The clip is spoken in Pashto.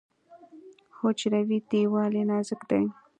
حجروي دیوال یې نازک دی.